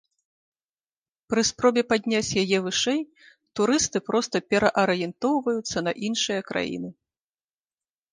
Пры спробе падняць яе вышэй, турысты проста пераарыентоўваюцца на іншыя краіны.